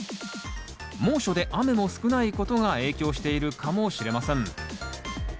猛暑で雨も少ないことが影響しているかもしれません。